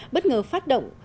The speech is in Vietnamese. bất ngờ phát động